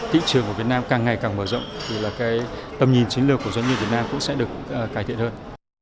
thị trường của việt nam càng ngày càng mở rộng thì là cái tầm nhìn chiến lược của doanh nghiệp việt nam cũng sẽ được cải thiện hơn